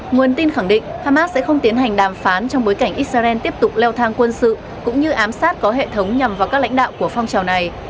nguồn tin khẳng định hamas sẽ không tiến hành đàm phán trong bối cảnh israel tiếp tục leo thang quân sự cũng như ám sát có hệ thống nhằm vào các lãnh đạo của phong trào này